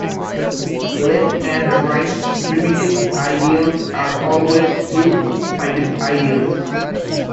Left and right primitive ideals are always two-sided ideals.